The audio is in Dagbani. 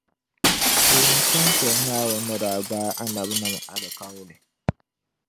Teemi saha shεli Naawuni ni daa gbaai Annabinim’ alikauli .